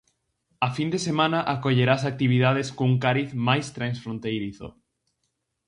A fin de semana acollerá as actividades cun cariz máis transfronteirizo.